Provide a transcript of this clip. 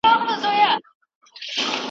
ایا مسلکي باغوان تور ممیز پلوري؟